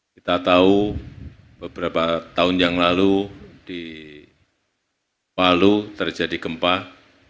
kita tahu beberapa tahun yang lalu di palu terjadi gempa